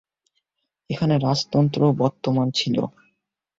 এখানে রাজতন্ত্র বর্তমান ছিল।